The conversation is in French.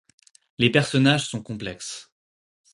Les personnages sont complexes.